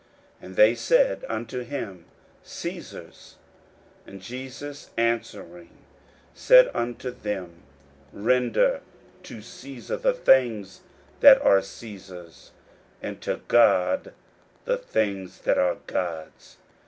And they said unto him, Caesar's. 41:012:017 And Jesus answering said unto them, Render to Caesar the things that are Caesar's, and to God the things that are God's.